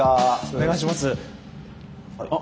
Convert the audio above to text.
お願いします。